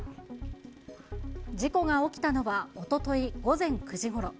事故が起きたのは、おととい午前９時ごろ。